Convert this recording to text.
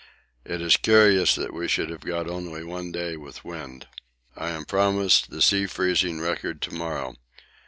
It is curious that we should only have got one day with wind. I am promised the sea freezing record to morrow.